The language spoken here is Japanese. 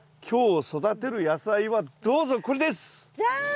今日育てる野菜はどうぞこれです！じゃん！